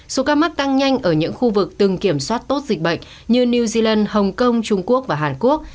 số ca mắc tăng nhanh ở những khu vực từng kiểm soát tốt dịch bệnh như new zealand hồng kông trung quốc và hàn quốc